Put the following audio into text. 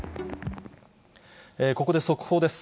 ここで速報です。